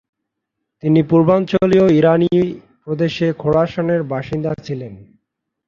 তিনি পূর্বাঞ্চলীয় ইরানী প্রদেশ খোরাসানের বাসিন্দা ছিলেন।